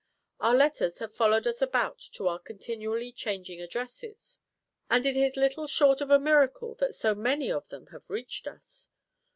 Our letters have followed us about to our continually changing addresses, and it is little short of a miracle that so many of them have reached us.